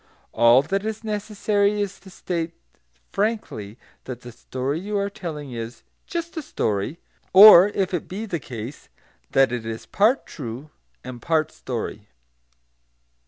All that is necessary is to state frankly that the story you are telling is "just a story," or if it be the case that it is "part true and part story."